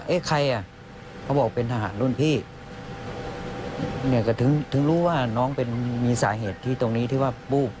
เอ๊ะใครอ่ะเขาบอกเป็นทหารรุ่นพี่เนี่ยก็ถึงถึงรู้ว่าน้องเป็นมีสาเหตุที่ตรงนี้ที่ว่าวูบ